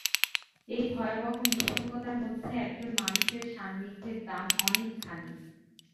এই ভয়াবহ নিঃসঙ্গতার মধ্যে একজন মানুষের সান্নিধ্যের দাম অনেকখানি।